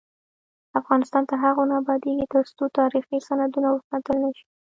افغانستان تر هغو نه ابادیږي، ترڅو تاریخي سندونه وساتل نشي.